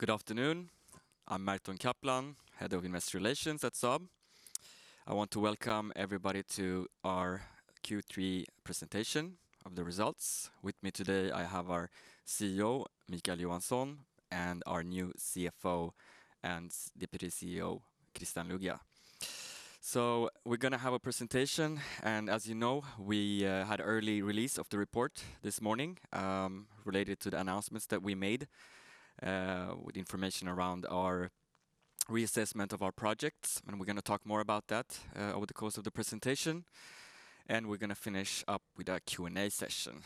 Good afternoon. I'm Merton Kaplan, head of investor relations at SAAB. I want to welcome everybody to our Q3 presentation of the results. With me today, I have our CEO, Micael Johansson, and our new CFO and Deputy CEO, Christian Luiga. We're going to have a presentation, and as you know, we had early release of the report this morning related to the announcements that we made with information around our reassessment of our projects, and we're going to talk more about that over the course of the presentation. We're going to finish up with a Q&A session.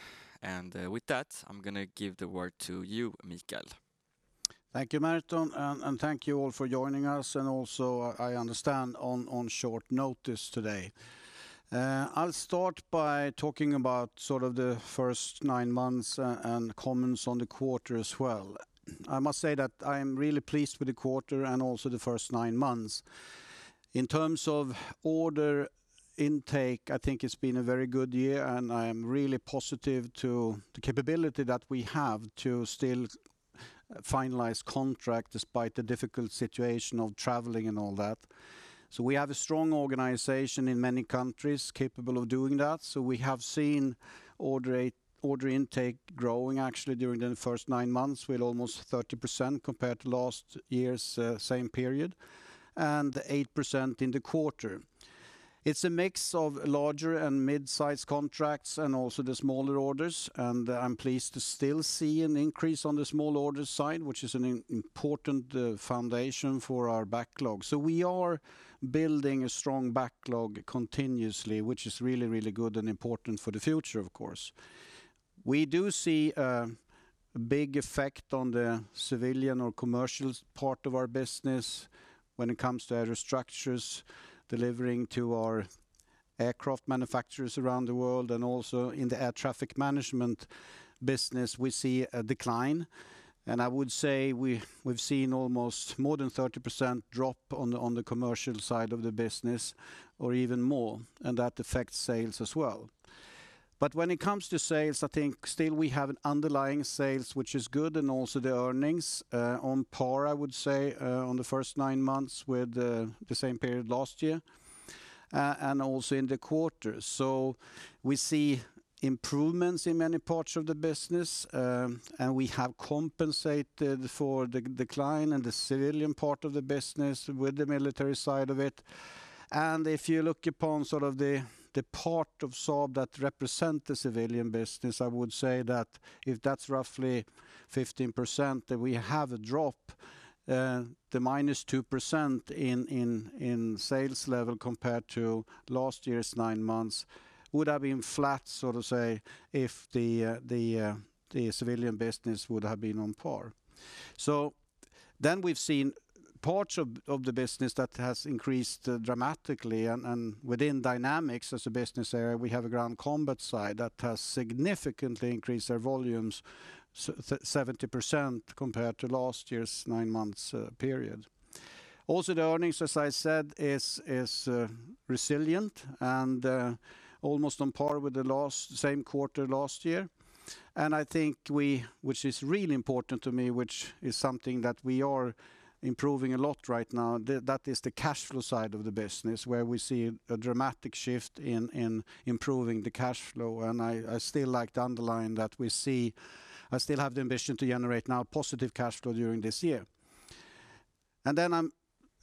With that, I'm going to give the word to you, Micael. Thank you, Merton. Thank you all for joining us. Also, I understand on short notice today. I'll start by talking about the first nine months and comments on the quarter as well. I must say that I am really pleased with the quarter and also the first nine months. In terms of order intake, I think it's been a very good year. I am really positive to the capability that we have to still finalize contract despite the difficult situation of traveling and all that. We have a strong organization in many countries capable of doing that. We have seen order intake growing actually during the first nine months with almost 30% compared to last year's same period. 8% in the quarter. It's a mix of larger and mid-size contracts and also the smaller orders, and I'm pleased to still see an increase on the small order side, which is an important foundation for our backlog. We are building a strong backlog continuously, which is really good and important for the future, of course. We do see a big effect on the civilian or commercial part of our business when it comes to aerostructures, delivering to our aircraft manufacturers around the world and also in the air traffic management business, we see a decline. I would say we've seen almost more than 30% drop on the commercial side of the business, or even more, and that affects sales as well. When it comes to sales, I think still we have an underlying sales which is good, and also the earnings on par, I would say, on the first nine months with the same period last year, and also in the quarter. We see improvements in many parts of the business, and we have compensated for the decline in the civilian part of the business with the military side of it. If you look upon the part of SAAB that represent the civilian business, I would say that if that's roughly 15% that we have a drop, the minus 2% in sales level compared to last year's nine months would have been flat, so to say, if the civilian business would have been on par. We've seen parts of the business that has increased dramatically, and within Dynamics as a business area, we have a ground combat side that has significantly increased their volumes 70% compared to last year's nine months period. The earnings, as I said, is resilient and almost on par with the same quarter last year. I think which is really important to me, which is something that we are improving a lot right now, that is the cash flow side of the business, where we see a dramatic shift in improving the cash flow. I still like to underline that I still have the ambition to generate now positive cash flow during this year. Then I'm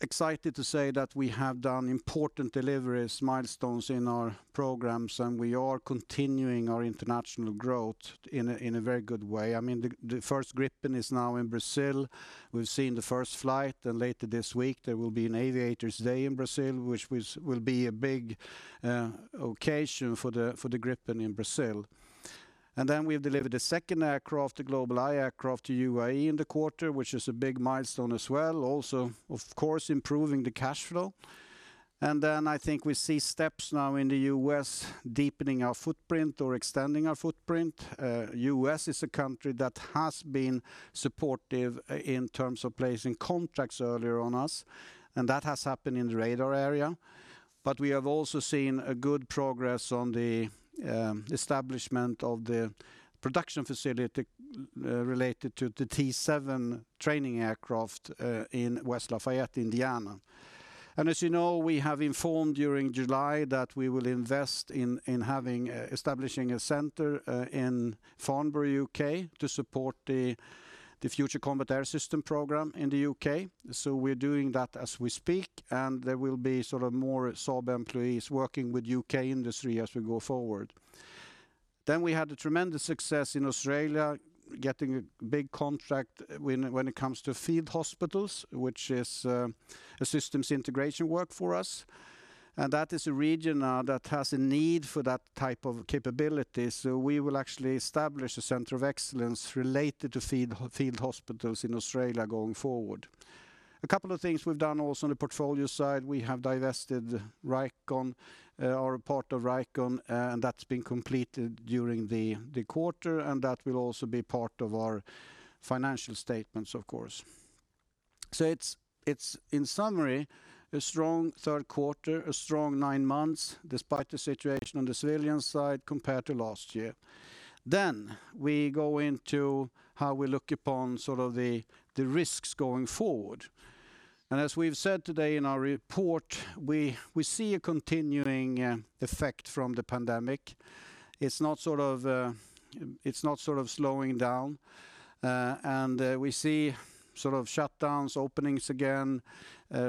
excited to say that we have done important deliveries, milestones in our programs, and we are continuing our international growth in a very good way. The first Gripen is now in Brazil. We've seen the first flight, and later this week there will be an Aviator's Day in Brazil, which will be a big occasion for the Gripen in Brazil. Then we've delivered a second aircraft, the GlobalEye aircraft, to UAE in the quarter, which is a big milestone as well. Also, of course, improving the cash flow. Then I think we see steps now in the U.S. deepening our footprint or extending our footprint. U.S. is a country that has been supportive in terms of placing contracts earlier on us, and that has happened in the radar area. We have also seen a good progress on the establishment of the production facility related to the T-7A training aircraft in West Lafayette, Indiana. As you know, we have informed during July that we will invest in establishing a center in Farnborough, U.K., to support the Future Combat Air System program in the U.K. We're doing that as we speak, and there will be more SAAB employees working with U.K. industry as we go forward. We had a tremendous success in Australia, getting a big contract when it comes to field hospitals, which is a systems integration work for us. That is a region that has a need for that type of capability, so we will actually establish a center of excellence related to field hospitals in Australia going forward. A couple of things we've done also on the portfolio side, we have divested Vricon, or a part of Vricon, and that's been completed during the quarter. That will also be part of our financial statements, of course. It's, in summary, a strong third quarter, a strong nine months despite the situation on the civilian side compared to last year. We go into how we look upon the risks going forward. As we've said today in our report, we see a continuing effect from the pandemic. It's not slowing down. We see shutdowns, openings again,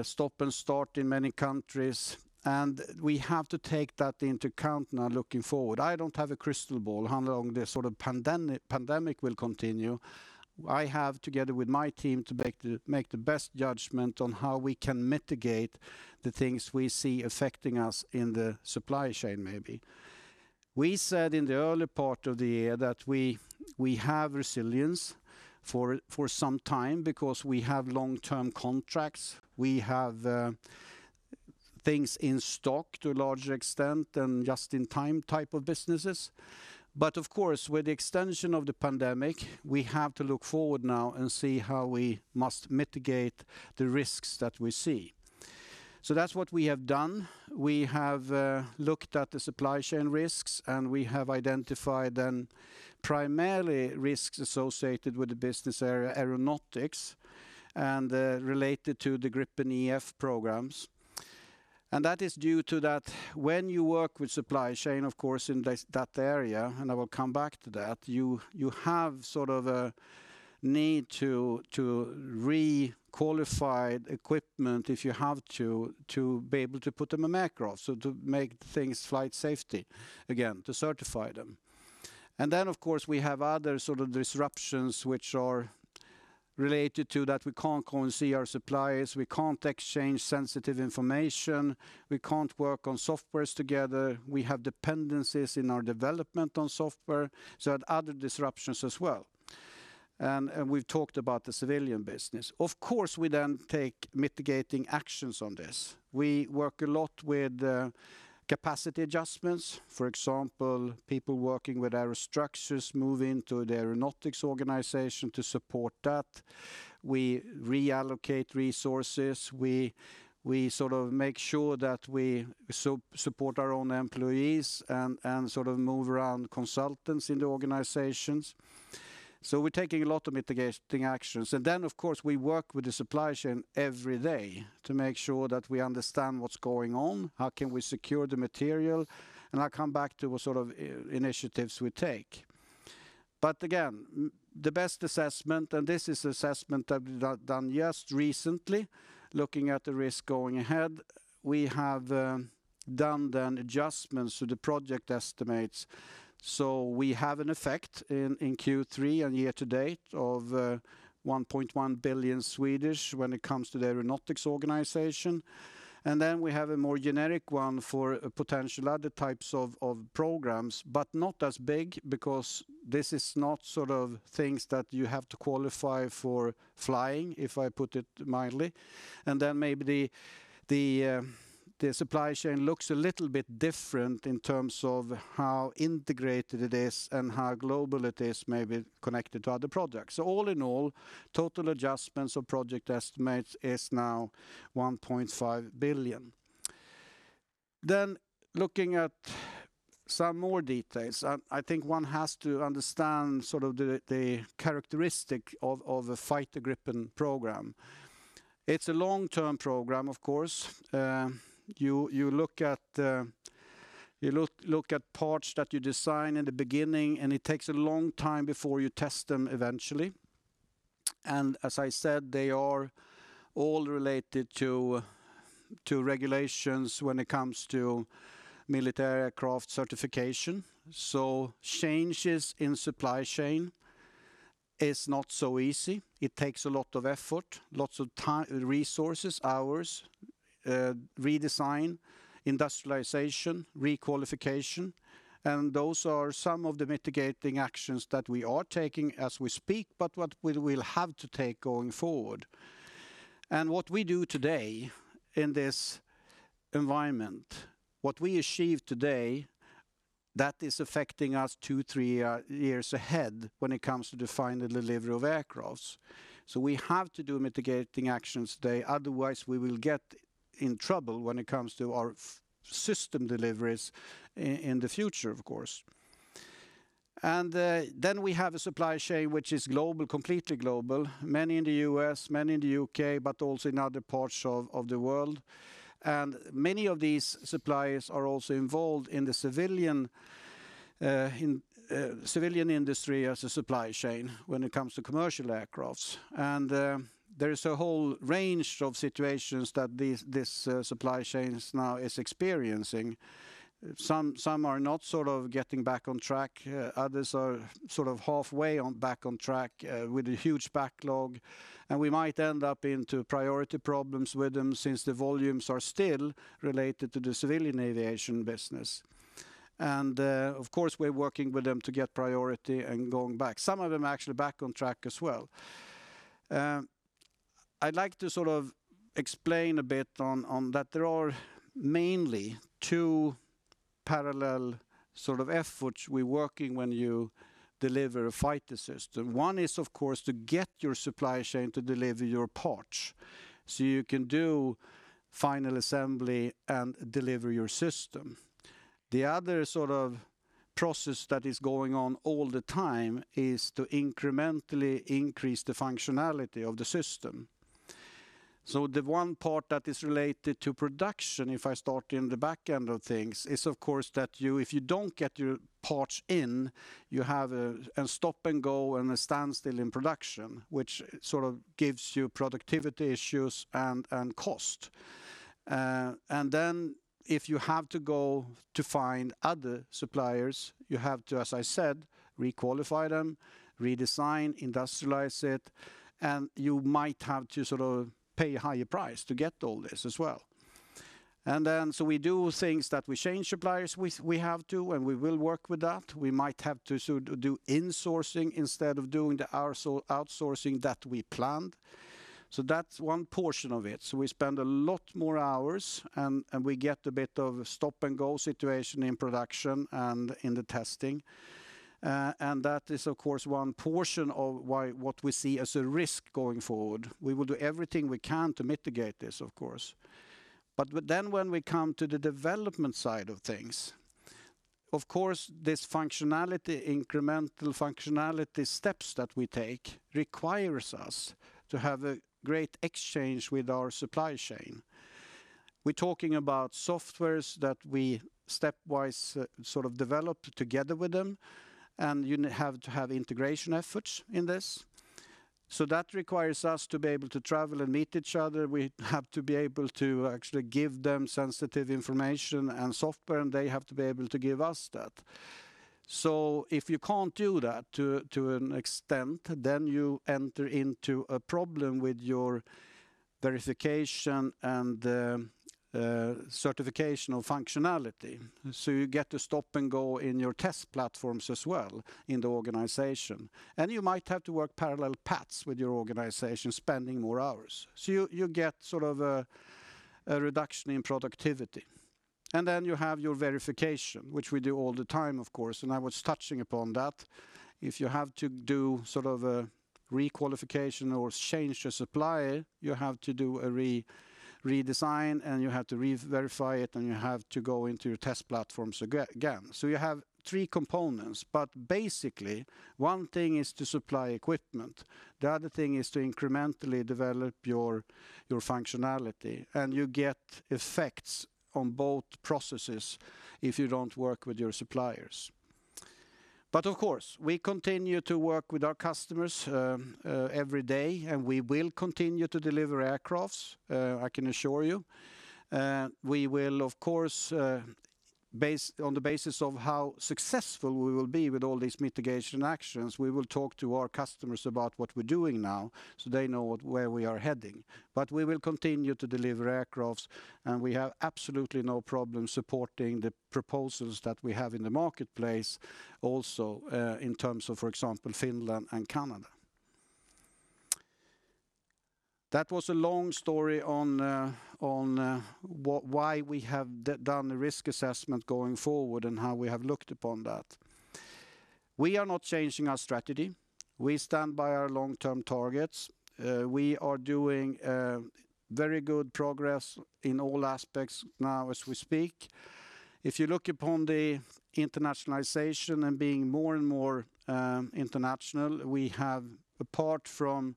stop and start in many countries. We have to take that into account now looking forward. I don't have a crystal ball how long this pandemic will continue. I have, together with my team, to make the best judgment on how we can mitigate the things we see affecting us in the supply chain maybe. We said in the early part of the year that we have resilience for some time because we have long-term contracts. We have things in stock to a larger extent than just-in-time type of businesses. Of course, with the extension of the pandemic, we have to look forward now and see how we must mitigate the risks that we see. That's what we have done. We have looked at the supply chain risks, and we have identified then primarily risks associated with the business area, Aeronautics, and related to the Gripen E/F programs. That is due to that when you work with supply chain, of course, in that area, and I will come back to that, you have a need to requalify equipment if you have to be able to put them in aircraft, so to make things flight safety again, to certify them. Then, of course, we have other disruptions which are related to that we can't go and see our suppliers, we can't exchange sensitive information. We can't work on softwares together. We have dependencies in our development on software, so other disruptions as well. We've talked about the civilian business. Of course, we then take mitigating actions on this. We work a lot with capacity adjustments. For example, people working with aerostructures move into the Aeronautics organization to support that. We reallocate resources. We make sure that we support our own employees and move around consultants in the organizations. We're taking a lot of mitigating actions. Of course, we work with the supply chain every day to make sure that we understand what's going on, how can we secure the material, and I'll come back to what sort of initiatives we take. Again, the best assessment, and this is assessment that we've done just recently, looking at the risk going ahead, we have done then adjustments to the project estimates. We have an effect in Q3 and year to date of 1.1 billion when it comes to the Aeronautics organization. We have a more generic one for potential other types of programs, but not as big because this is not things that you have to qualify for flying, if I put it mildly. Maybe the supply chain looks a little bit different in terms of how integrated it is and how global it is, maybe connected to other projects. All in all, total adjustments of project estimates is now 1.5 billion. Looking at some more details, I think one has to understand the characteristic of a fighter Gripen program. It's a long-term program, of course. You look at parts that you design in the beginning, and it takes a long time before you test them eventually. As I said, they are all related to regulations when it comes to military aircraft certification. Changes in supply chain is not so easy. It takes a lot of effort, lots of time, resources, hours, redesign, industrialization, requalification. Those are some of the mitigating actions that we are taking as we speak, but what we will have to take going forward. What we do today in this environment, what we achieve today, that is affecting us two, three years ahead when it comes to the final delivery of aircrafts. We have to do mitigating actions today, otherwise we will get in trouble when it comes to our system deliveries in the future, of course. We have a supply chain, which is global, completely global, many in the U.S., many in the U.K., but also in other parts of the world. Many of these suppliers are also involved in the civilian industry as a supply chain when it comes to commercial aircrafts. There is a whole range of situations that this supply chain now is experiencing. Some are not getting back on track. Others are halfway back on track with a huge backlog, and we might end up into priority problems with them since the volumes are still related to the civilian aviation business. Of course, we're working with them to get priority and going back. Some of them are actually back on track as well. I'd like to explain a bit on that there are mainly two parallel efforts we work in when you deliver a fighter system. One is, of course, to get your supply chain to deliver your parts so you can do final assembly and deliver your system. The other process that is going on all the time is to incrementally increase the functionality of the system. The one part that is related to production, if I start in the back end of things, is of course that if you don't get your parts in, you have a stop and go and a standstill in production, which gives you productivity issues and cost. If you have to go to find other suppliers, you have to, as I said, re-qualify them, redesign, industrialize it, and you might have to pay a higher price to get all this as well. We do things that we change suppliers we have to, and we will work with that. We might have to do insourcing instead of doing the outsourcing that we planned. That's one portion of it. We spend a lot more hours, and we get a bit of a stop-and-go situation in production and in the testing. That is, of course, one portion of what we see as a risk going forward. We will do everything we can to mitigate this, of course. When we come to the development side of things, of course, this incremental functionality steps that we take requires us to have a great exchange with our supply chain. We're talking about softwares that we stepwise develop together with them, and you have to have integration efforts in this. That requires us to be able to travel and meet each other. We have to be able to actually give them sensitive information and software, and they have to be able to give us that. If you can't do that to an extent, then you enter into a problem with your verification and certification of functionality. You get to stop and go in your test platforms as well in the organization. You might have to work parallel paths with your organization, spending more hours. You get a reduction in productivity. Then you have your verification, which we do all the time, of course, and I was touching upon that. If you have to do a re-qualification or change your supplier, you have to do a redesign, and you have to re-verify it, and you have to go into your test platforms again. You have three components, but basically, one thing is to supply equipment. The other thing is to incrementally develop your functionality, and you get effects on both processes if you don't work with your suppliers. Of course, we continue to work with our customers every day, and we will continue to deliver aircrafts, I can assure you. We will, of course, on the basis of how successful we will be with all these mitigation actions, we will talk to our customers about what we're doing now so they know where we are heading. We will continue to deliver aircraft, and we have absolutely no problem supporting the proposals that we have in the marketplace also, in terms of, for example, Finland and Canada. That was a long story on why we have done the risk assessment going forward and how we have looked upon that. We are not changing our strategy. We stand by our long-term targets. We are doing very good progress in all aspects now as we speak. If you look upon the internationalization and being more and more international, we have, apart from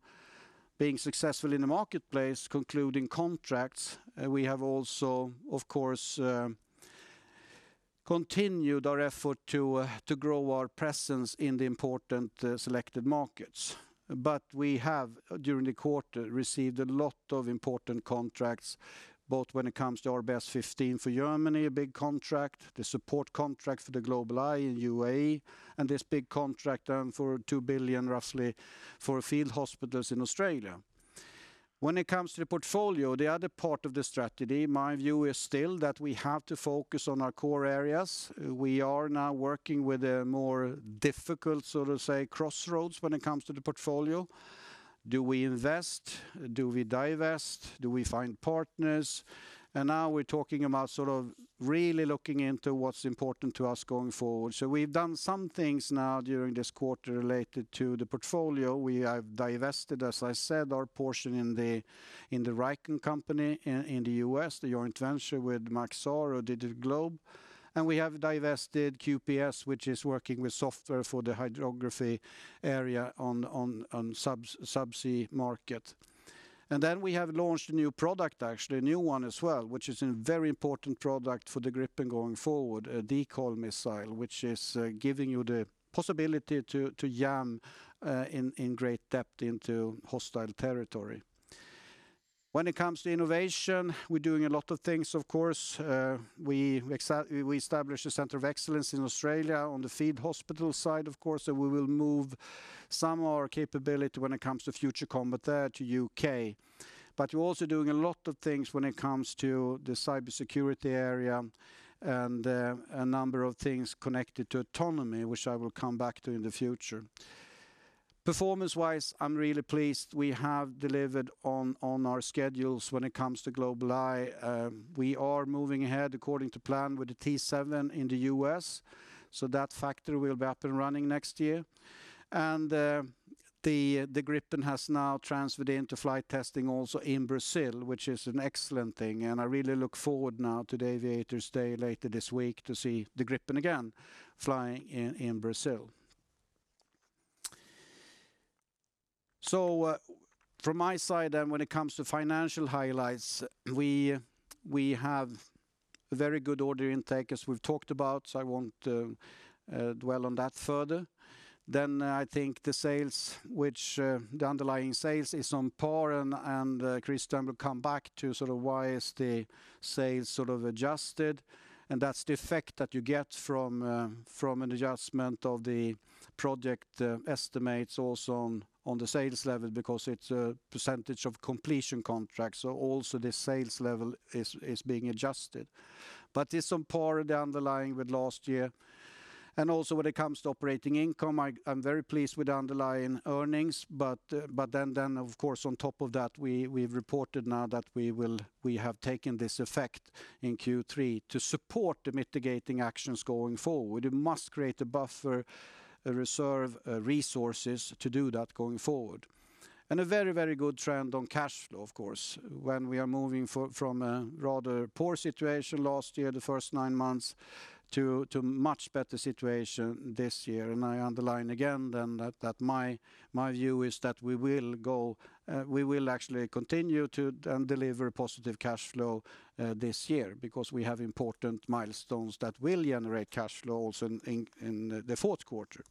being successful in the marketplace concluding contracts, we have also, of course, continued our effort to grow our presence in the important selected markets. We have, during the quarter, received a lot of important contracts, both when it comes to our RBS15 for Germany, a big contract, the support contract for the GlobalEye in UAE, and this big contract for 2 billion, roughly, for field hospitals in Australia. When it comes to the portfolio, the other part of the strategy, my view is still that we have to focus on our core areas. We are now working with a more difficult crossroads when it comes to the portfolio. Do we invest? Do we divest? Do we find partners? Now we're talking about really looking into what's important to us going forward. We've done some things now during this quarter related to the portfolio. We have divested, as I said, our portion in the Vricon company in the U.S., the joint venture with Maxar or DigitalGlobe. We have divested QPS, which is working with software for the hydrography area on subsea market. We have launched a new product, actually, a new one as well, which is a very important product for the Gripen going forward, a decoy missile, which is giving you the possibility to jam in great depth into hostile territory. When it comes to innovation, we're doing a lot of things, of course. We established a center of excellence in Australia on the field hospital side, of course, and we will move some of our capability when it comes to Future Combat there to U.K. We're also doing a lot of things when it comes to the cybersecurity area and a number of things connected to autonomy, which I will come back to in the future. Performance-wise, I'm really pleased we have delivered on our schedules when it comes to GlobalEye. We are moving ahead according to plan with the T-7A in the U.S., so that factory will be up and running next year. The Gripen has now transferred into flight testing also in Brazil, which is an excellent thing. I really look forward now to the Aviator's Day later this week to see the Gripen again flying in Brazil. From my side then when it comes to financial highlights, we have very good order intake, as we've talked about, so I won't dwell on that further. I think the sales, which the underlying sales is on par and Christian will come back to why is the sales adjusted, and that's the effect that you get from an adjustment of the project estimates also on the sales level because it's a percentage of completion contract. Also this sales level is being adjusted. It's on par the underlying with last year. Also when it comes to operating income, I'm very pleased with the underlying earnings. Of course, on top of that, we've reported now that we have taken this effect in Q3 to support the mitigating actions going forward. We must create a buffer, a reserve, resources to do that going forward. A very, very good trend on cash flow, of course, when we are moving from a rather poor situation last year, the first nine months, to much better situation this year. I underline again then that my view is that we will actually continue to deliver positive cash flow this year because we have important milestones that will generate cash flows in the fourth quarter.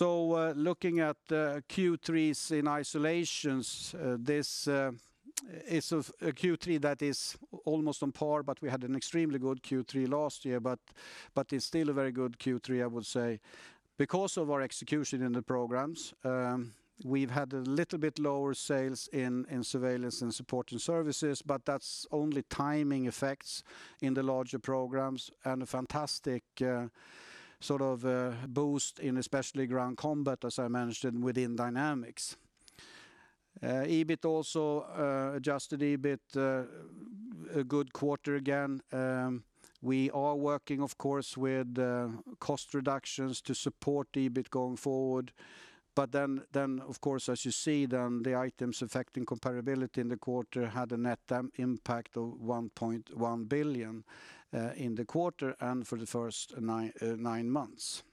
Looking at Q3s in isolation, this is a Q3 that is almost on par, but we had an extremely good Q3 last year. It's still a very good Q3, I would say. Because of our execution in the programs, we've had a little bit lower sales in Surveillance and Support and Services, but that's only timing effects in the larger programs and a fantastic boost in especially ground combat, as I mentioned, within Dynamics. EBIT also, adjusted EBIT, a good quarter again. We are working, of course, with cost reductions to support EBIT going forward. Of course, as you see then the items affecting comparability in the quarter had a net impact of 1.1 billion in the quarter and for the first nine months.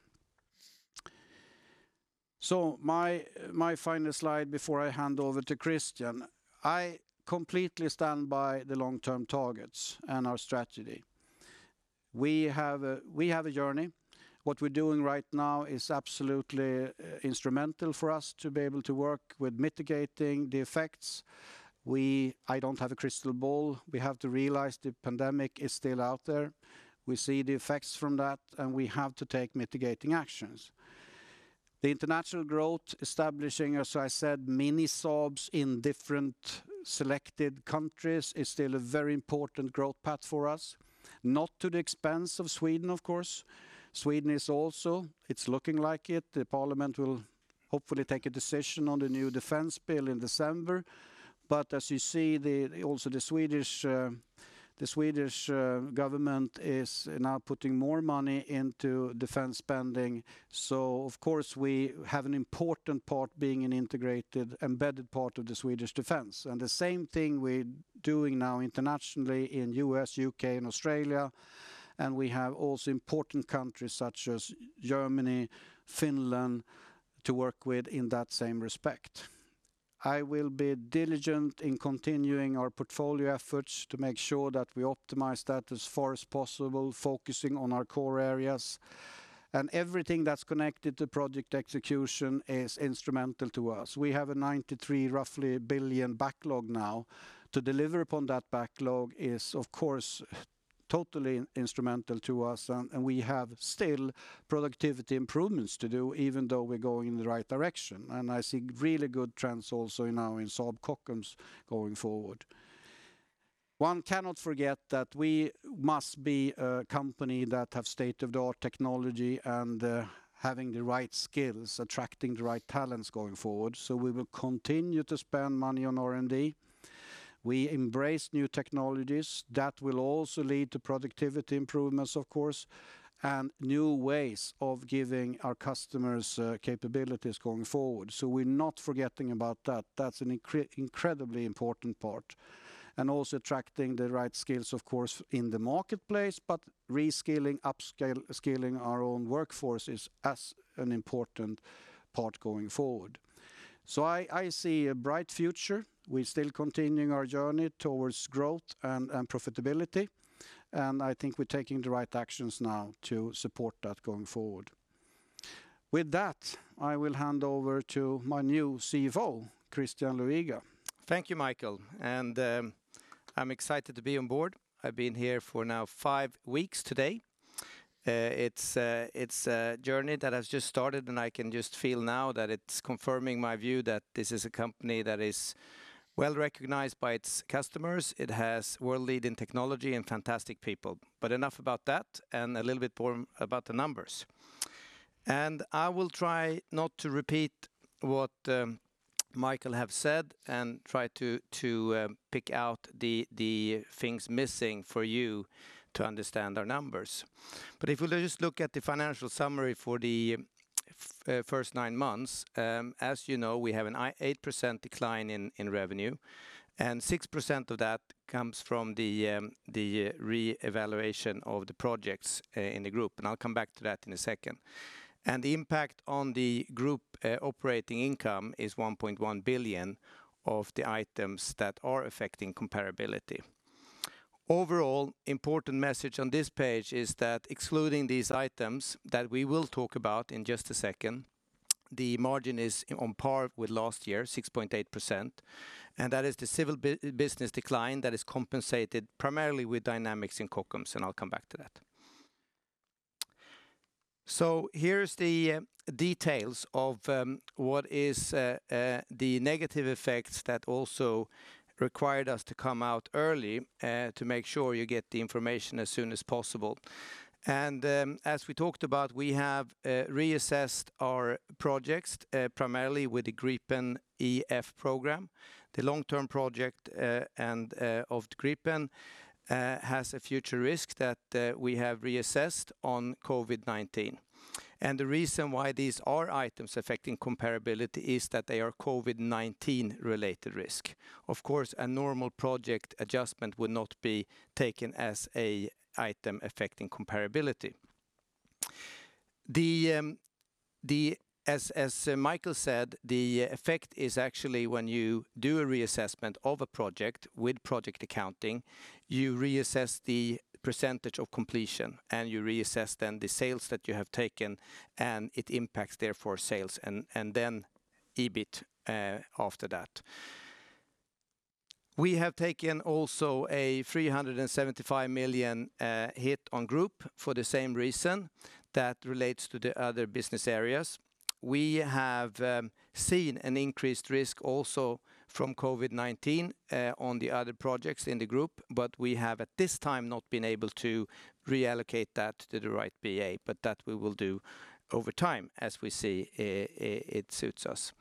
My final slide before I hand over to Christian. I completely stand by the long-term targets and our strategy. We have a journey. What we're doing right now is absolutely instrumental for us to be able to work with mitigating the effects. I don't have a crystal ball. We have to realize the pandemic is still out there. We see the effects from that, and we have to take mitigating actions. The international growth establishing, as I said, mini SAABs in different selected countries is still a very important growth path for us. Not to the expense of Sweden, of course. Sweden is also, it's looking like it, the parliament will hopefully take a decision on the new defense bill in December. As you see, also the Swedish government is now putting more money into defense spending. Of course, we have an important part being an integrated, embedded part of the Swedish defense. The same thing we're doing now internationally in U.S., U.K., and Australia. We have also important countries such as Germany, Finland, to work with in that same respect. I will be diligent in continuing our portfolio efforts to make sure that we optimize that as far as possible, focusing on our core areas. Everything that's connected to project execution is instrumental to us. We have a roughly 93 billion backlog now. To deliver upon that backlog is, of course, totally instrumental to us, and we have still productivity improvements to do, even though we're going in the right direction. I see really good trends also now in Saab Kockums going forward. One cannot forget that we must be a company that have state-of-the-art technology and having the right skills, attracting the right talents going forward. We will continue to spend money on R&D. We embrace new technologies that will also lead to productivity improvements, of course, and new ways of giving our customers capabilities going forward. We're not forgetting about that. That's an incredibly important part. Also attracting the right skills, of course, in the marketplace, but reskilling, upskilling our own workforce is as an important part going forward. I see a bright future. We're still continuing our journey towards growth and profitability, and I think we're taking the right actions now to support that going forward. With that, I will hand over to my new CFO, Christian Luiga. Thank you, Micael. I'm excited to be on board. I've been here for now five weeks today. It's a journey that has just started, and I can just feel now that it's confirming my view that this is a company that is well-recognized by its customers. It has world-leading technology and fantastic people. Bu enough about that, and a little bit more about the numbers. I will try not to repeat what Micael has said, and try to pick out the things missing for you to understand our numbers. If we just look at the financial summary for the first nine months, as you know, we have an 8% decline in revenue, and 6% of that comes from the re-evaluation of the projects in the group, and I'll come back to that in a second. The impact on the group operating income is 1.1 billion of the items that are affecting comparability. Overall, important message on this page is that excluding these items that we will talk about in just a second, the margin is on par with last year, 6.8%, and that is the civil business decline that is compensated primarily with Dynamics in Kockums, and I'll come back to that. Here's the details of what is the negative effects that also required us to come out early to make sure you get the information as soon as possible. As we talked about, we have reassessed our projects, primarily with the Gripen E/F program. The long-term project of the Gripen has a future risk that we have reassessed on COVID-19. The reason why these are items affecting comparability is that they are COVID-19-related risk. Of course, a normal project adjustment would not be taken as an item affecting comparability. Micael said, the effect is actually when you do a reassessment of a project with project accounting, you reassess the percentage of completion, and you reassess then the sales that you have taken, and it impacts therefore sales and then EBIT after that. We have taken also a 375 million hit on group for the same reason that relates to the other business areas. We have seen an increased risk also from COVID-19 on the other projects in the group, we have at this time not been able to reallocate that to the right BA, that we will do over time as we see it suits us.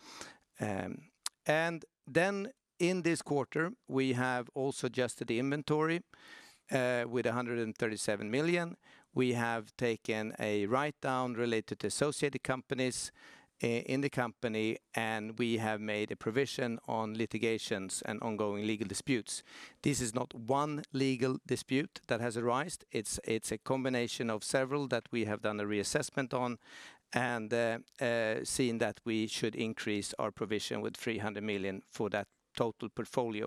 In this quarter, we have also adjusted the inventory with 137 million. We have taken a write-down related to associated companies in the company, and we have made a provision on litigations and ongoing legal disputes. This is not one legal dispute that has arisen. It's a combination of several that we have done a reassessment on, seen that we should increase our provision with 300 million for that total portfolio.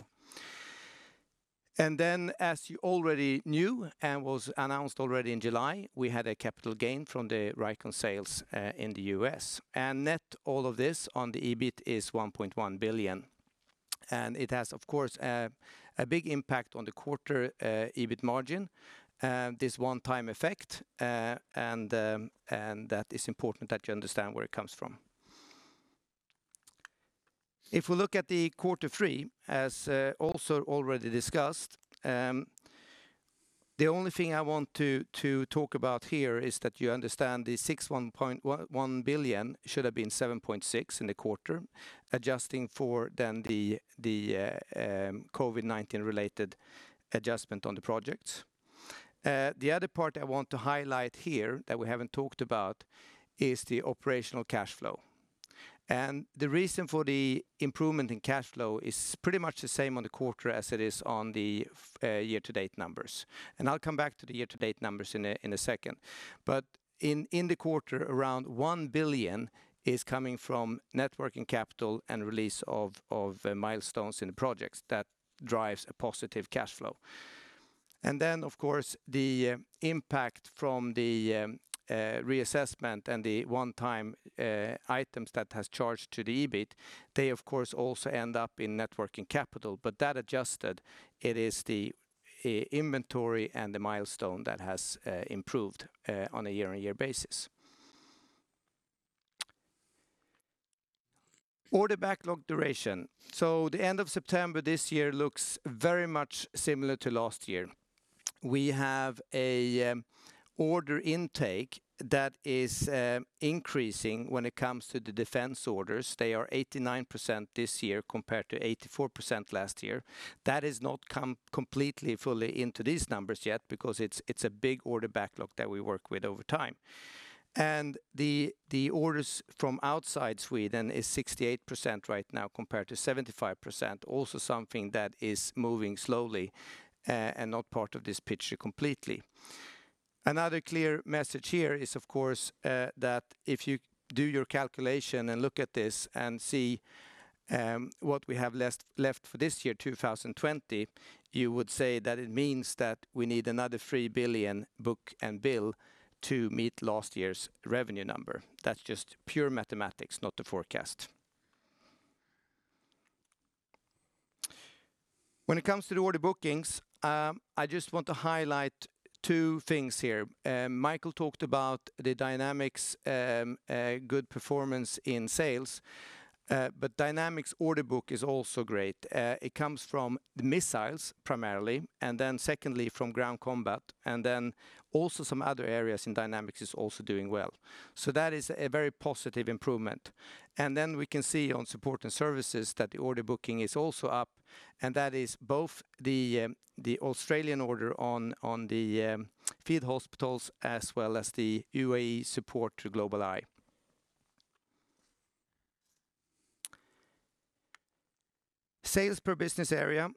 Then as you already knew and was announced already in July, we had a capital gain from the Vricon sales in the U.S. Net all of this on the EBIT is 1.1 billion. It has, of course, a big impact on the quarter EBIT margin, this one-time effect, and that is important that you understand where it comes from. If we look at the quarter three, as also already discussed, the only thing I want to talk about here is that you understand the 6.1 billion should have been 7.6 billion in the quarter, adjusting for then the COVID-19-related adjustment on the projects. The other part I want to highlight here that we haven't talked about is the operational cash flow. The reason for the improvement in cash flow is pretty much the same on the quarter as it is on the year-to-date numbers. I'll come back to the year-to-date numbers in a second. In the quarter, around 1 billion is coming from net working capital and release of milestones in the projects that drives a positive cash flow. Of course, the impact from the reassessment and the one-time items that has charged to the EBIT, they of course also end up in net working capital, but that adjusted, it is the inventory and the milestone that has improved on a year-on-year basis. Order backlog duration. The end of September this year looks very much similar to last year. We have an order intake that is increasing when it comes to the defense orders. They are 89% this year compared to 84% last year. That has not come completely fully into these numbers yet because it's a big order backlog that we work with over time. The orders from outside Sweden is 68% right now compared to 75%, also something that is moving slowly and not part of this picture completely. Another clear message here is, of course, that if you do your calculation and look at this and see what we have left for this year, 2020, you would say that it means that we need another 3 billion book and bill to meet last year's revenue number. That's just pure mathematics, not the forecast. When it comes to the order bookings, I just want to highlight two things here. Micael talked about the Dynamics, good performance in sales, the Dynamics order book is also great. It comes from the missiles primarily, and then secondly, from ground combat, and then also some other areas in Dynamics is also doing well. That is a very positive improvement. We can see on Support and Services that the order booking is also up, and that is both the Australian order on the field hospitals as well as the UAE support to GlobalEye. Sales per business area.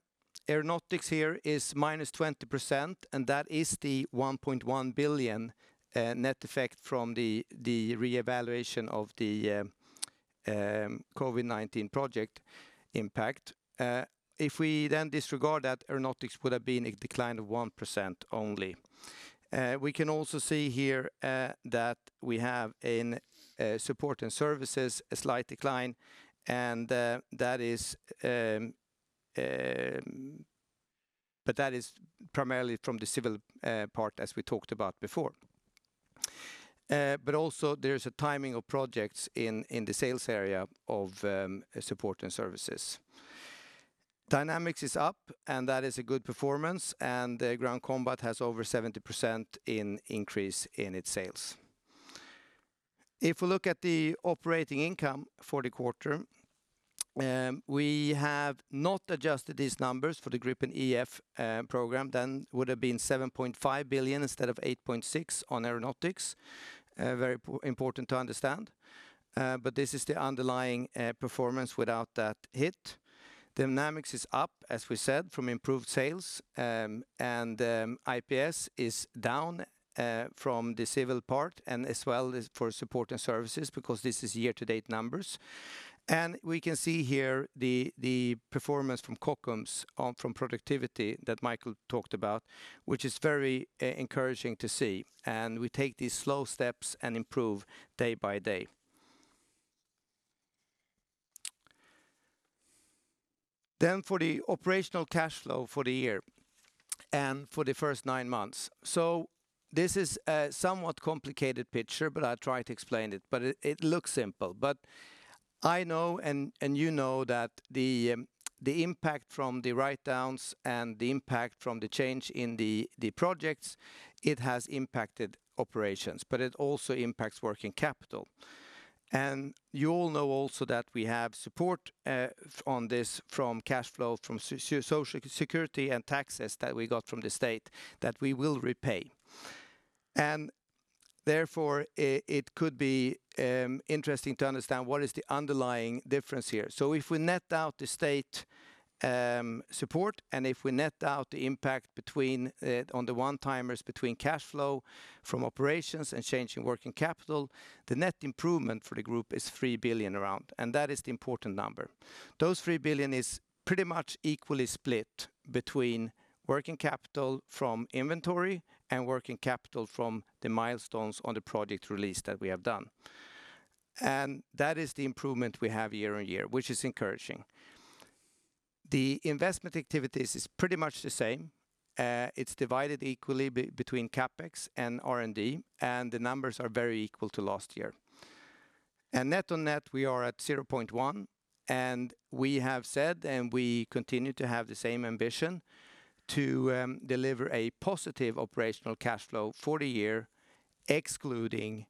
Aeronautics here is minus 20%, and that is the 1.1 billion net effect from the reevaluation of the COVID-19 project impact. If we then disregard that, Aeronautics would have been a decline of 1% only. We can also see here that we have in Support and Services a slight decline, but that is primarily from the civil part as we talked about before. There is a timing of projects in the sales area of Support and Services. Dynamics is up, and that is a good performance, and ground combat has over 70% increase in its sales. If we look at the operating income for the quarter, we have not adjusted these numbers for the Gripen E/F program, then it would have been 7.5 billion instead of 8.6 on Aeronautics. Very important to understand. This is the underlying performance without that hit. Dynamics is up, as we said, from improved sales, and IPS is down from the civil part and as well for Support and Services because this is year-to-date numbers. We can see here the performance from Kockums from productivity that Micael talked about, which is very encouraging to see. We take these slow steps and improve day by day. For the operational cash flow for the year and for the first nine months. This is a somewhat complicated picture, but I'll try to explain it. It looks simple. I know and you know that the impact from the write-downs and the impact from the change in the projects, it has impacted operations, but it also impacts working capital. You all know also that we have support on this from cash flow, from Social Security and taxes that we got from the state that we will repay. Therefore, it could be interesting to understand what is the underlying difference here. If we net out the state support and if we net out the impact on the one-timers between cash flow from operations and change in working capital, the net improvement for the group is 3 billion around, and that is the important number. Those 3 billion is pretty much equally split between working capital from inventory and working capital from the milestones on the project release that we have done. That is the improvement we have year-over-year, which is encouraging. The investment activities is pretty much the same. It's divided equally between CapEx and R&D, the numbers are very equal to last year. Net on net, we are at 0.1, we have said, we continue to have the same ambition to deliver a positive operational cash flow for the year, excluding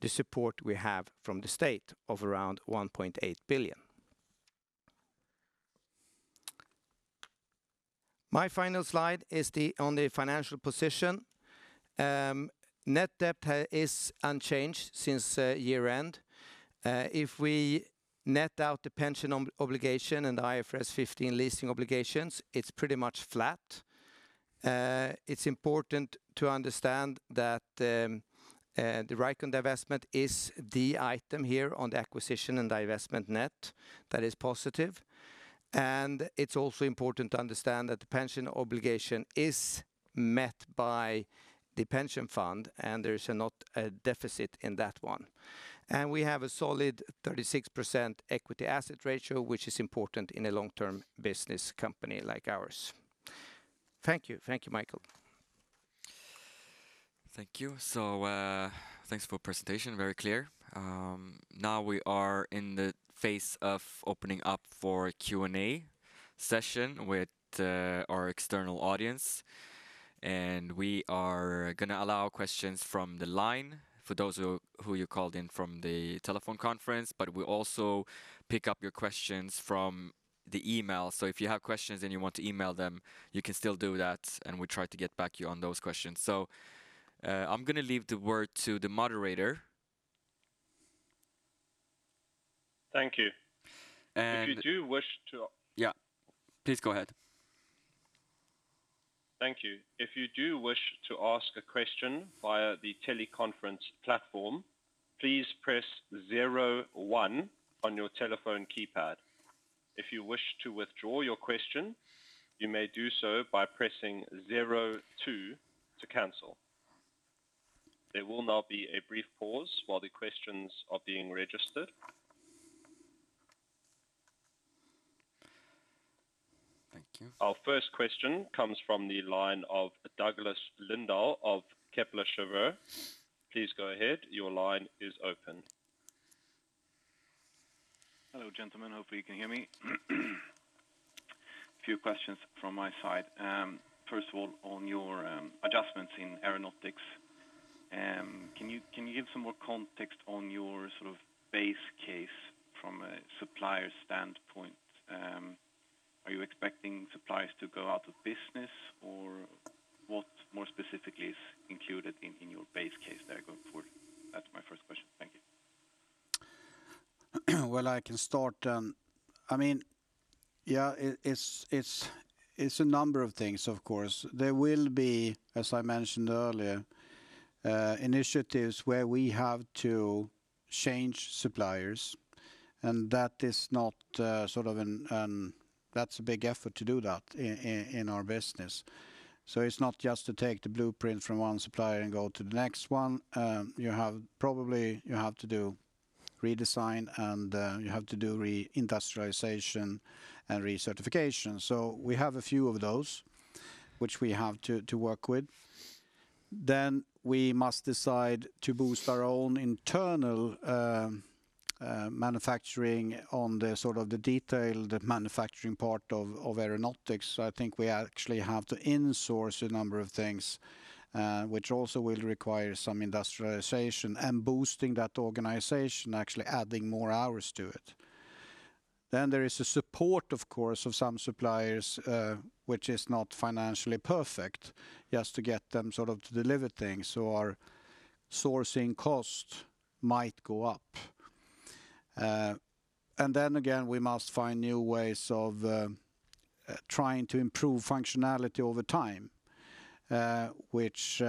the support we have from the state of around 1.8 billion. My final slide is on the financial position. Net debt is unchanged since year-end. If we net out the pension obligation and IFRS 16 leasing obligations, it's pretty much flat. It's important to understand that the Vricon divestment is the item here on the acquisition and divestment net that is positive. It's also important to understand that the pension obligation is met by the pension fund, there is not a deficit in that one. We have a solid 36% equity/assets ratio, which is important in a long-term business company like ours. Thank you. Thank you, Micael. Thank you. Thanks for presentation. Very clear. Now we are in the phase of opening up for Q&A session with our external audience. We are going to allow questions from the line for those who called in from the telephone conference, but we'll also pick up your questions from the email. If you have questions and you want to email them, you can still do that, and we'll try to get back to you on those questions. I'm going to leave the word to the moderator. Thank you. And- If you do wish to- Yeah. Please go ahead. Thank you. If you do wish to ask a question via the teleconference platform, please press 01 on your telephone keypad. If you wish to withdraw your question, you may do so by pressing 02 to cancel. There will now be a brief pause while the questions are being registered. Thank you. Our first question comes from the line of Douglas Lindahl of Kepler Cheuvreux. Hello, gentlemen. Hopefully, you can hear me. A few questions from my side. First of all, on your adjustments in Aeronautics, can you give some more context on your base case from a supplier standpoint? Are you expecting suppliers to go out of business, or what more specifically is included in your base case there going forward? That's my first question. Thank you. Well, I can start then. It's a number of things, of course. There will be, as I mentioned earlier, initiatives where we have to change suppliers, and that's a big effort to do that in our business. It's not just to take the blueprint from one supplier and go to the next one. Probably, you have to do redesign, and you have to do re-industrialization and recertification. We have a few of those which we have to work with. We must decide to boost our own internal manufacturing on the detail, the manufacturing part of Aeronautics. I think we actually have to insource a number of things, which also will require some industrialization and boosting that organization, actually adding more hours to it. There is the support, of course, of some suppliers, which is not financially perfect, just to get them to deliver things. Our sourcing cost might go up. Then again, we must find new ways of trying to improve functionality over time, which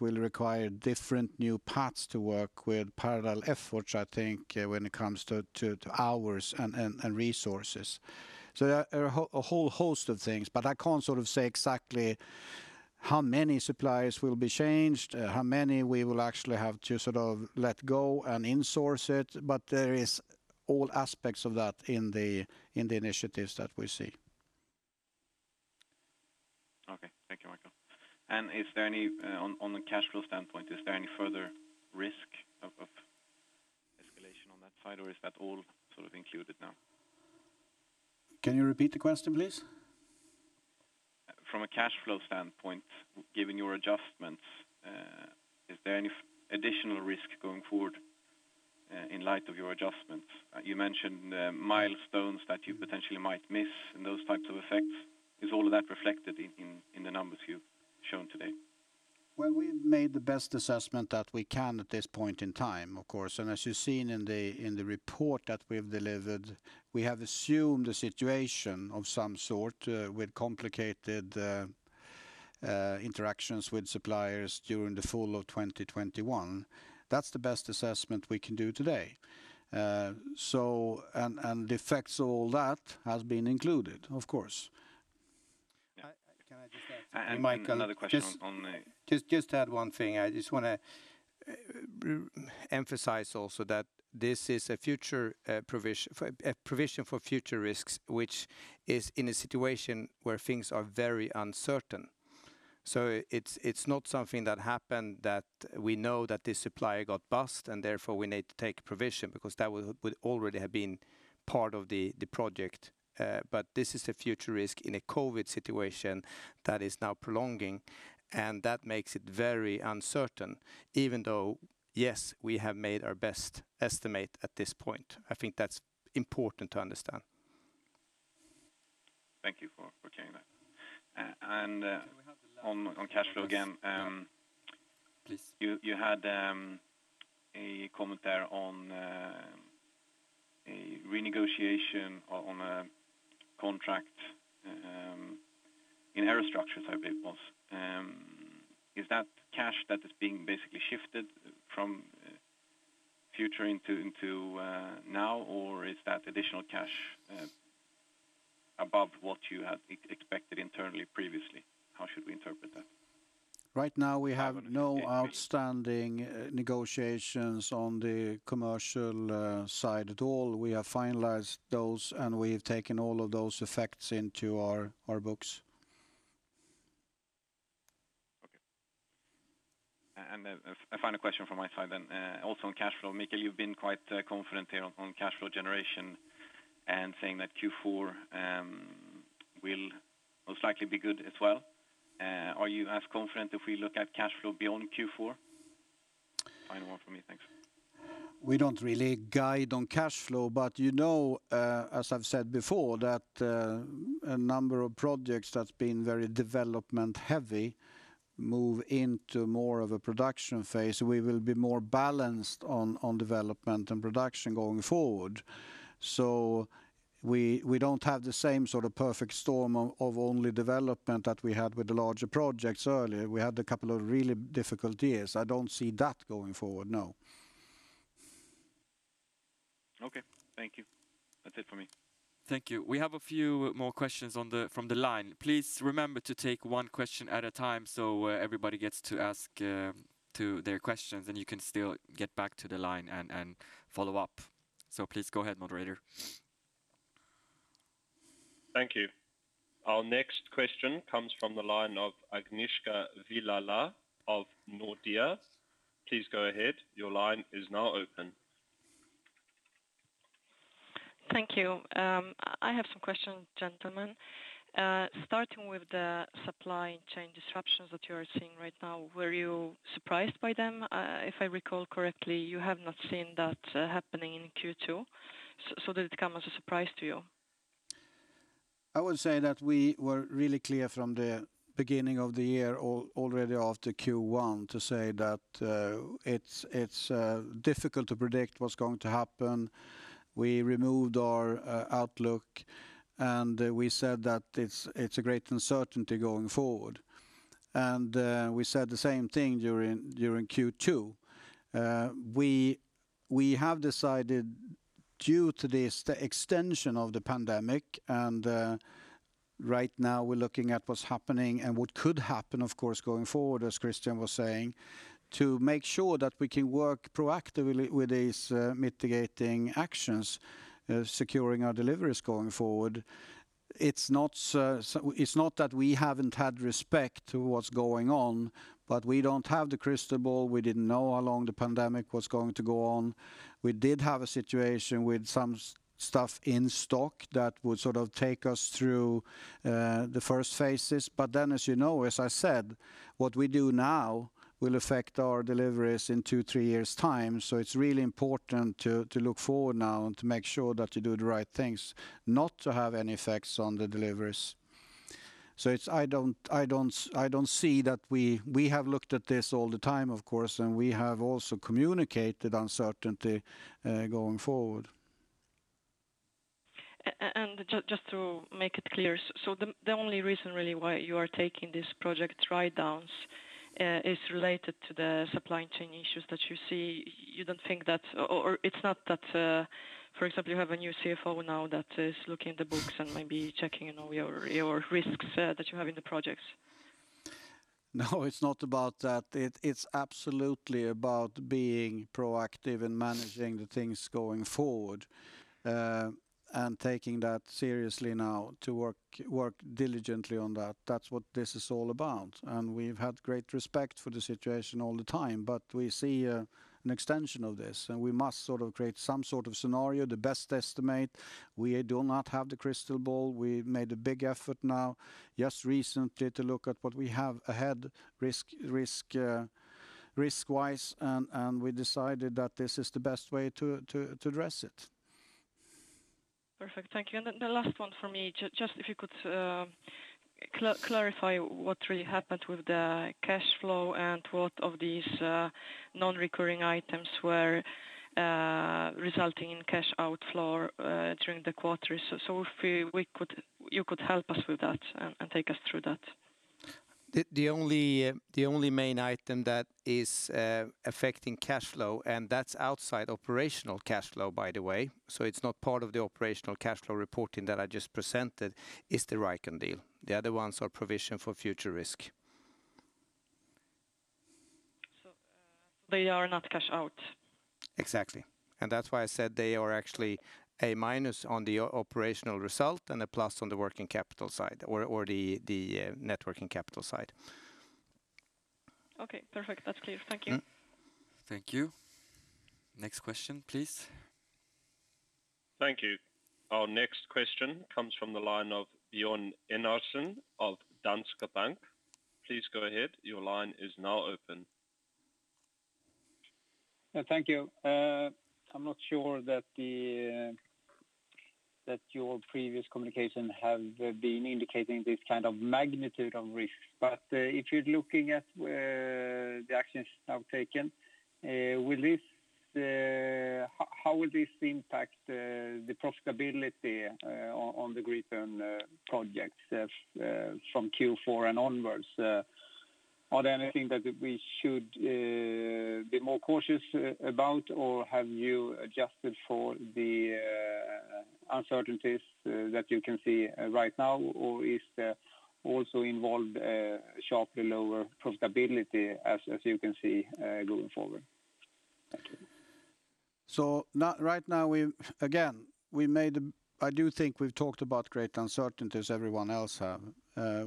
will require different new paths to work with parallel efforts, I think, when it comes to hours and resources. There are a whole host of things, but I can't say exactly how many suppliers will be changed, how many we will actually have to let go and insource it. There is all aspects of that in the initiatives that we see. Okay. Thank you, Micael. On the cash flow standpoint, is there any further risk of escalation on that side, or is that all included now? Can you repeat the question, please? From a cash flow standpoint, given your adjustments, is there any additional risk going forward in light of your adjustments? You mentioned the milestones that you potentially might miss and those types of effects. Is all of that reflected in the numbers you've shown today? Well, we've made the best assessment that we can at this point in time, of course. As you've seen in the report that we've delivered, we have assumed a situation of some sort with complicated interactions with suppliers during the fall of 2021. That's the best assessment we can do today. The effects of all that has been included, of course. Can I just add something? And another question on the- Just add one thing. I just want to emphasize also that this is a provision for future risks, which is in a situation where things are very uncertain. It's not something that happened that we know that this supplier got bust and therefore we need to take provision because that would already have been part of the project. This is a future risk in a COVID-19 situation that is now prolonging, and that makes it very uncertain, even though, yes, we have made our best estimate at this point. I think that's important to understand. Thank you for clearing that. On cash flow again. Please. you had a comment there on a renegotiation on a contract in Aerostructures, I believe it was. Is that cash that is being basically shifted from future into now, or is that additional cash above what you had expected internally previously? How should we interpret that? Right now we have no outstanding negotiations on the commercial side at all. We have finalized those, and we've taken all of those effects into our books. Okay. A final question from my side. Also on cash flow, Micael, you've been quite confident here on cash flow generation and saying that Q4 will most likely be good as well. Are you as confident if we look at cash flow beyond Q4? Final one from me. Thanks. We don't really guide on cash flow, but you know, as I've said before, that a number of projects that's been very development heavy move into more of a production phase. We will be more balanced on development and production going forward. We don't have the same sort of perfect storm of only development that we had with the larger projects earlier. We had a couple of really difficult years. I don't see that going forward, no. Okay. Thank you. That's it for me. Thank you. We have a few more questions from the line. Please remember to take one question at a time so everybody gets to ask their questions, and you can still get back to the line and follow up. Please go ahead, moderator. Thank you. Our next question comes from the line of Agnieszka Vilela of Nordea. Please go ahead. Thank you. I have some questions, gentlemen. Starting with the supply chain disruptions that you are seeing right now, were you surprised by them? If I recall correctly, you have not seen that happening in Q2. Did it come as a surprise to you? I would say that we were really clear from the beginning of the year, already after Q1, to say that it's difficult to predict what's going to happen. We removed our outlook, and we said that it's a great uncertainty going forward. We said the same thing during Q2. We have decided due to this, the extension of the pandemic, and right now we're looking at what's happening and what could happen, of course, going forward, as Christian was saying, to make sure that we can work proactively with these mitigating actions, securing our deliveries going forward. It's not that we haven't had respect to what's going on, but we don't have the crystal ball. We didn't know how long the pandemic was going to go on. We did have a situation with some stuff in stock that would take us through the first phases. As you know, as I said, what we do now will affect our deliveries in two, three years' time. It's really important to look forward now and to make sure that you do the right things, not to have any effects on the deliveries. We have looked at this all the time, of course, and we have also communicated uncertainty going forward. Just to make it clear, the only reason really why you are taking these project write-downs is related to the supply chain issues that you see. It's not that, for example, you have a new CFO now that is looking at the books and maybe checking your risks that you have in the projects? No, it's not about that. It's absolutely about being proactive and managing the things going forward, and taking that seriously now to work diligently on that. That's what this is all about. We've had great respect for the situation all the time, but we see an extension of this, and we must create some sort of scenario, the best estimate. We do not have the crystal ball. We made a big effort now just recently to look at what we have ahead risk-wise, and we decided that this is the best way to address it. Perfect. Thank you. The last one from me, just if you could clarify what really happened with the cash flow and what of these non-recurring items were resulting in cash outflow during the quarter? If you could help us with that and take us through that? The only main item that is affecting cash flow, and that's outside operational cash flow, by the way, so it's not part of the operational cash flow reporting that I just presented, is the Vricon deal. The other ones are provision for future risk. They are not cash out? Exactly. That's why I said they are actually a minus on the operational result and a plus on the working capital side, or the net working capital side. Okay, perfect. That's clear. Thank you. Thank you. Next question, please. Thank you. Our next question comes from the line of Björn Enarson of Danske Bank. Please go ahead. Thank you. I'm not sure that your previous communication have been indicating this kind of magnitude of risk. If you're looking at the actions now taken, how will this impact the profitability on the Gripen projects from Q4 and onwards? Are there anything that we should be more cautious about, or have you adjusted for the uncertainties that you can see right now, or is there also involved sharply lower profitability as you can see going forward? Thank you. Right now, again, I do think we've talked about great uncertainties, everyone else have.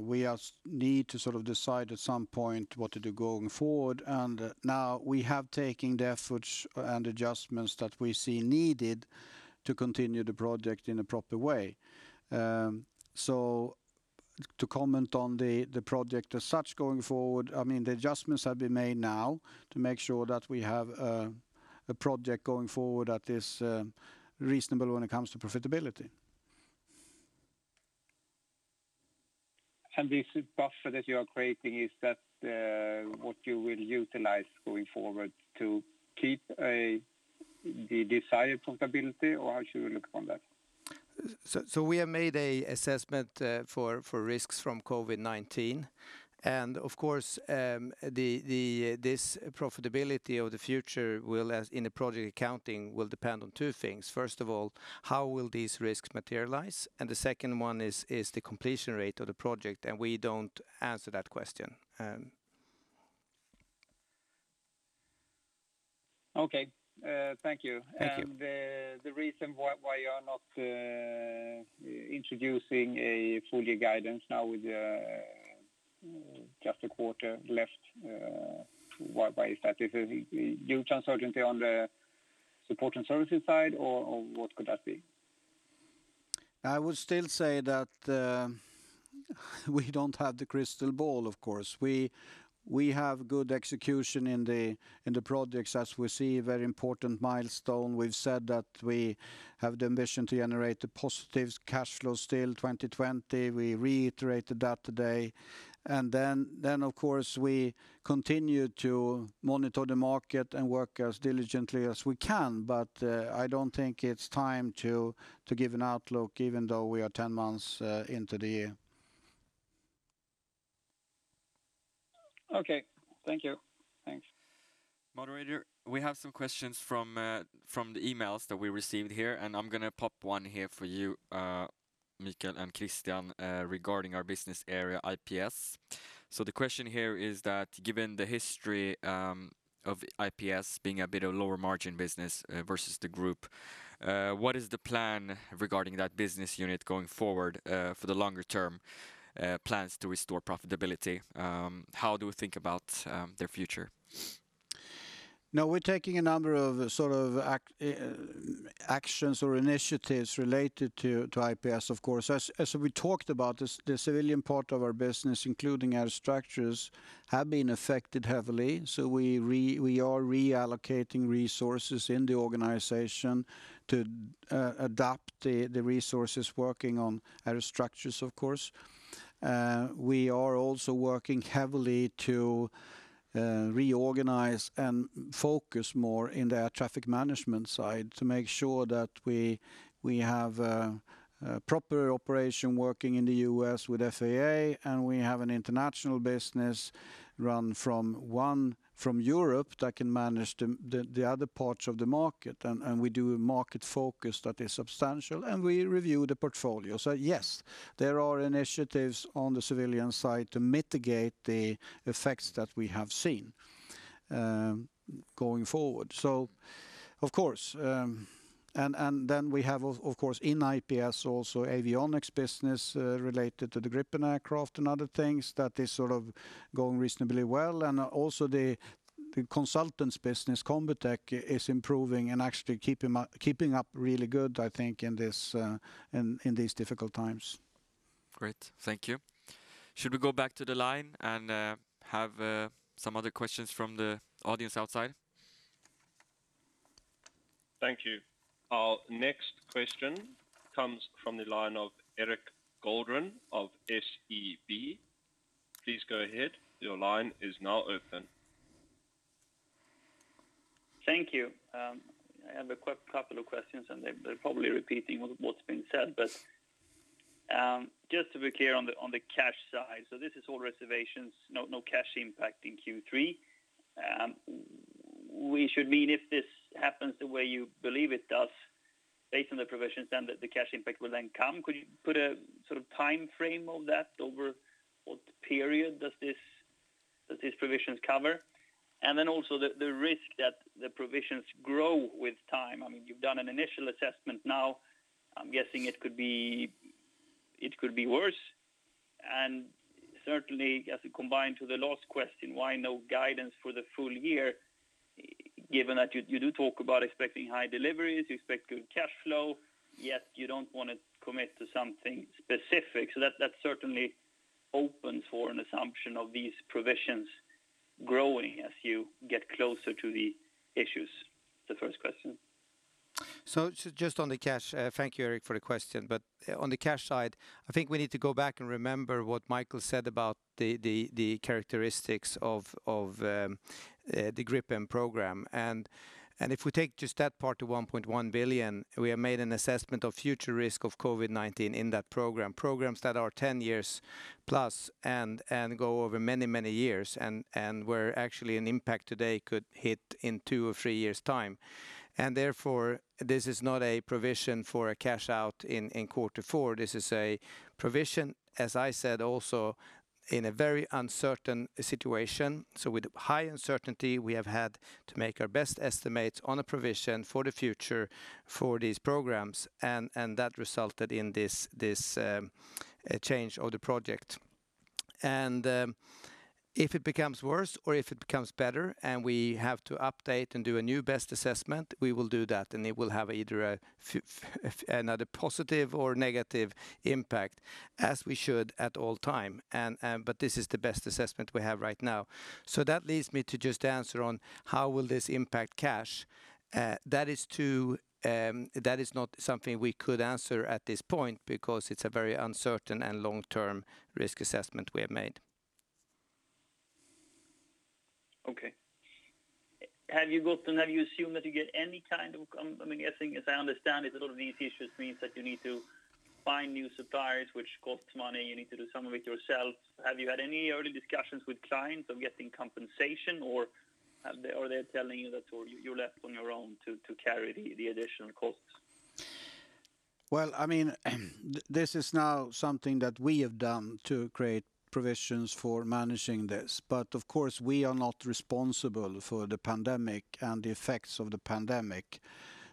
We need to decide at some point what to do going forward, now we have taken the efforts and adjustments that we see needed to continue the project in a proper way. To comment on the project as such going forward, the adjustments have been made now to make sure that we have a project going forward that is reasonable when it comes to profitability. This buffer that you are creating, is that what you will utilize going forward to keep the desired profitability, or how should we look upon that? We have made an assessment for risks from COVID-19. Of course, this profitability of the future in the project accounting will depend on two things. First of all, how will these risks materialize? The second one is the completion rate of the project. We don't answer that question. Okay. Thank you. Thank you. The reason why you are not introducing a full year guidance now with just a quarter left. Why is that? Is it huge uncertainty on the Support and Services side, or what could that be? I would still say that we don't have the crystal ball, of course. We have good execution in the projects as we see very important milestone. We've said that we have the ambition to generate a positive cash flow still 2020. We reiterated that today. Of course, we continue to monitor the market and work as diligently as we can. I don't think it's time to give an outlook even though we are 10 months into the year. Okay. Thank you. Thanks. Moderator, we have some questions from the emails that we received here. I'm going to pop one here for you, Micael and Christian, regarding our business area, IPS. The question here is that given the history of IPS being a bit of lower margin business versus the group, what is the plan regarding that business unit going forward for the longer-term plans to restore profitability? How do we think about their future? We're taking a number of actions or initiatives related to IPS, of course. As we talked about, the civilian part of our business, including aerostructures, have been affected heavily. We are reallocating resources in the organization to adapt the resources working on aerostructures, of course. We are also working heavily to reorganize and focus more in the air traffic management side to make sure that we have a proper operation working in the U.S. with FAA, and we have an international business run from Europe that can manage the other parts of the market. We do a market focus that is substantial, and we review the portfolio. Yes, there are initiatives on the civilian side to mitigate the effects that we have seen going forward. Then we have, of course, in IPS also avionics business related to the Gripen aircraft and other things that is going reasonably well. Also the consultants business, Combitech, is improving and actually keeping up really good, I think, in these difficult times. Great. Thank you. Should we go back to the line and have some other questions from the audience outside? Thank you. Our next question comes from the line of Erik Golrang of SEB. Please go ahead. Thank you. I have a couple of questions, and they're probably repeating what's been said, but just to be clear on the cash side. This is all provisions, no cash impact in Q3. We should mean if this happens the way you believe it does based on the provisions, then the cash impact will come. Could you put a timeframe of that over what period does these provisions cover? Also the risk that the provisions grow with time. I mean, you've done an initial assessment now. I'm guessing it could be worse, and certainly as it combined to the last question, why no guidance for the full year, given that you do talk about expecting high deliveries, you expect good cash flow, yet you don't want to commit to something specific. That certainly opens for an assumption of these provisions growing as you get closer to the issues. The first question. Thank you, Erik, for the question. On the cash side, I think we need to go back and remember what Micael said about the characteristics of the Gripen program. If we take just that part to 1.1 billion, we have made an assessment of future risk of COVID-19 in that program. Programs that are 10 years plus and go over many, many years and where actually an impact today could hit in two or three years' time. Therefore, this is not a provision for a cash out in quarter four. This is a provision, as I said, also in a very uncertain situation. With high uncertainty, we have had to make our best estimates on a provision for the future for these programs, and that resulted in this change of the project. If it becomes worse or if it becomes better and we have to update and do a new best assessment, we will do that. It will have either another positive or negative impact as we should at all times. This is the best assessment we have right now. That leads me to just answer on how will this impact cash. That is not something we could answer at this point because it's a very uncertain and long-term risk assessment we have made. Have you got and have you assumed that you get any kind of I'm guessing, as I understand it, a lot of these issues means that you need to find new suppliers, which costs money. You need to do some of it yourself. Have you had any early discussions with clients of getting compensation, or are they telling you that you're left on your own to carry the additional costs? Well, this is now something that we have done to create provisions for managing this. Of course, we are not responsible for the pandemic and the effects of the pandemic,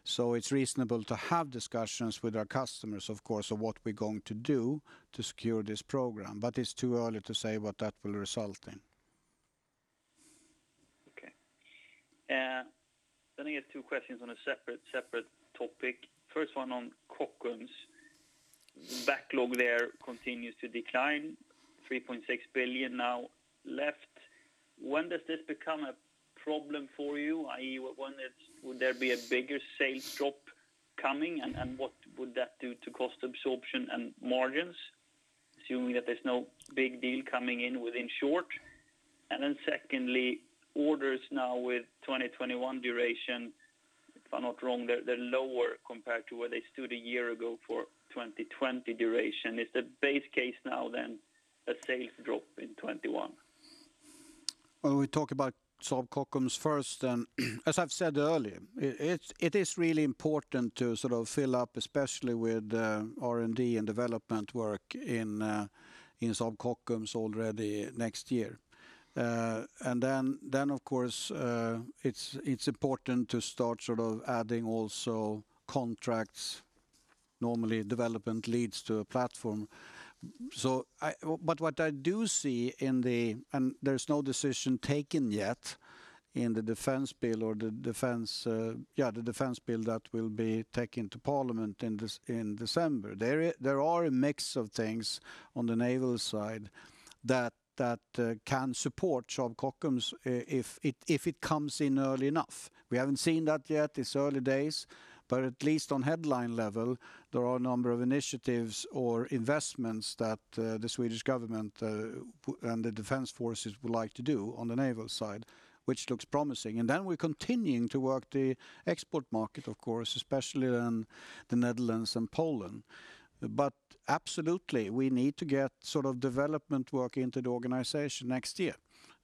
so it's reasonable to have discussions with our customers, of course, on what we're going to do to secure this program. It's too early to say what that will result in. Okay. I guess two questions on a separate topic. First one on Kockums. Backlog there continues to decline, 3.6 billion now left. When does this become a problem for you, i.e., would there be a bigger sales drop coming, and what would that do to cost absorption and margins, assuming that there's no big deal coming in within short? Secondly, orders now with 2021 duration, if I'm not wrong, they're lower compared to where they stood a year ago for 2020 duration. Is the base case now then a sales drop in 2021? Well, we talk about Saab Kockums first, and as I've said earlier, it is really important to fill up, especially with R&D and development work in Saab Kockums already next year. Then, of course, it's important to start adding also contracts. Normally, development leads to a platform. What I do see, and there's no decision taken yet in the defense bill that will be taken to parliament in December. There are a mix of things on the naval side that can support Saab Kockums if it comes in early enough. We haven't seen that yet. It's early days. At least on headline level, there are a number of initiatives or investments that the Swedish government and the defense forces would like to do on the naval side, which looks promising. Then we're continuing to work the export market, of course, especially in the Netherlands and Poland. Absolutely, we need to get development work into the organization next year.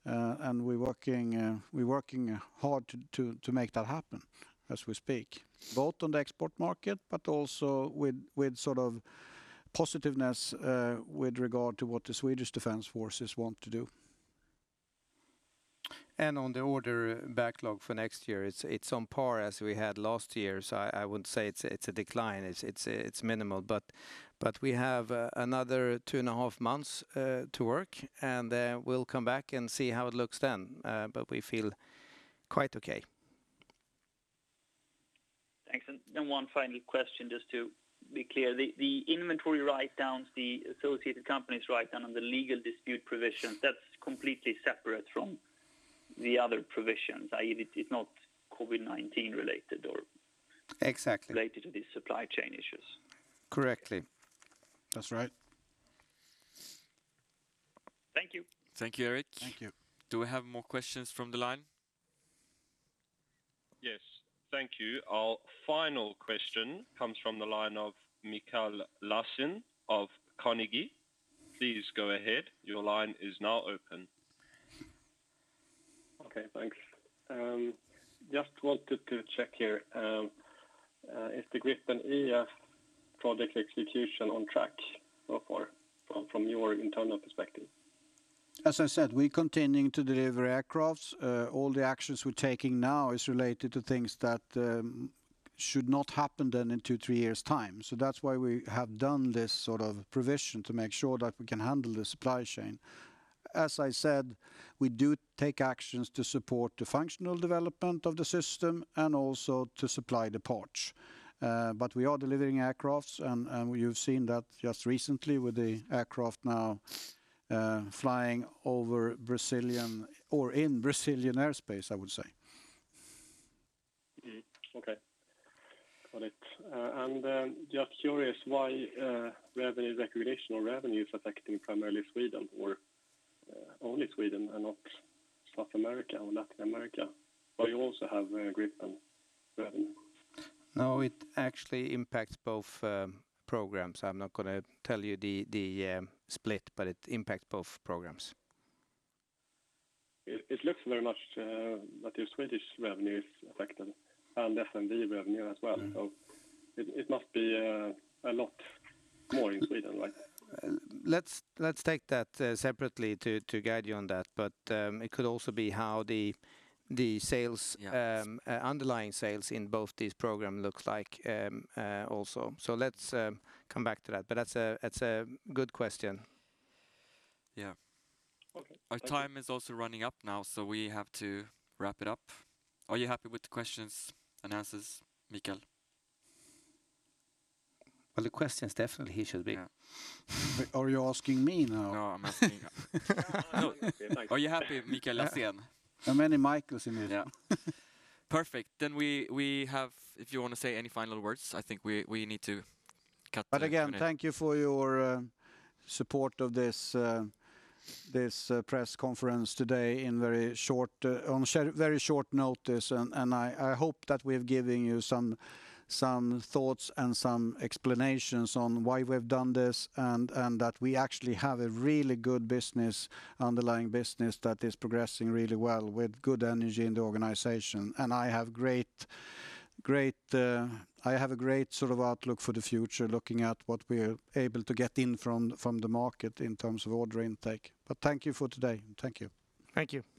We're working hard to make that happen as we speak, both on the export market, but also with positiveness with regard to what the Swedish defense forces want to do. On the order backlog for next year, it's on par as we had last year, so I wouldn't say it's a decline. It's minimal, but we have another two and a half months to work, and we'll come back and see how it looks then. We feel quite okay. Thanks. One final question, just to be clear, the inventory writedowns, the associated companies writedown on the legal dispute provisions, that's completely separate from the other provisions, i.e., it's not COVID-19 related? Exactly. related to these supply chain issues. Correctly. That's right. Thank you. Thank you, Erik. Thank you. Do we have more questions from the line? Yes. Thank you. Our final question comes from the line of Mikael Laséen of Carnegie. Please go ahead. Your line is now open. Okay, thanks. Just wanted to check here, is the Gripen E project execution on track so far from your internal perspective? As I said, we're continuing to deliver aircraft. All the actions we're taking now are related to things that should not happen then in two, three years' time. That's why we have done this sort of provision to make sure that we can handle the supply chain. As I said, we do take actions to support the functional development of the system and also to supply the parts. We are delivering aircraft, and you've seen that just recently with the aircraft now flying over Brazilian or in Brazilian airspace, I would say. Okay. Got it. Just curious why revenue recognition or revenue is affecting primarily Sweden or only Sweden and not South America or Latin America, where you also have Gripen revenue. No, it actually impacts both programs. I'm not going to tell you the split, but it impacts both programs. It looks very much that your Swedish revenue is affected and FND revenue as well. It must be a lot more in Sweden, right? Let's take that separately to guide you on that. It could also be how the underlying sales in both these program looks like also. Let's come back to that. That's a good question. Yeah. Okay. Our time is also running up now. We have to wrap it up. Are you happy with the questions and answers, Mikael? Well, the questions, definitely he should be. Are you asking me now? No, I'm asking, are you happy, Mikael Laséen? There are many Michaels in here. Yeah. Perfect. If you want to say any final words, I think we need to cut. Again, thank you for your support of this press conference today on very short notice. I hope that we've given you some thoughts and some explanations on why we've done this, and that we actually have a really good business, underlying business that is progressing really well with good energy in the organization. I have a great outlook for the future, looking at what we're able to get in from the market in terms of order intake. Thank you for today. Thank you. Thank you.